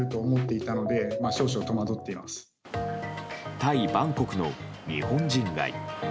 タイ・バンコクの日本人街。